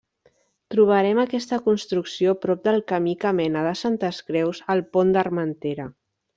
Trobarem aquesta construcció prop del camí que mena de Santes Creus al Pont d'Armentera.